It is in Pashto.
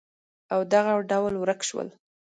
او دغه ډول ورک شول